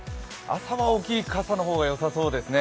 朝は大きい傘の方が良さそうですね。